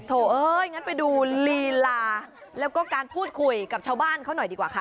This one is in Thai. เอ้ยงั้นไปดูลีลาแล้วก็การพูดคุยกับชาวบ้านเขาหน่อยดีกว่าค่ะ